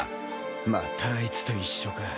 またあいつと一緒か。